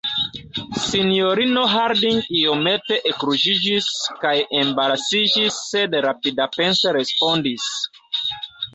Sinjorino Harding iomete ekruĝiĝis kaj embarasiĝis, sed rapidapense respondis: